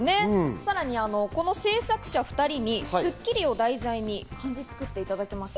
さらに、この制作者２人に『スッキリ』を題材に漢字を作っていただきました。